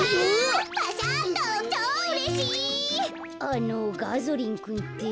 あのガゾリンくんって？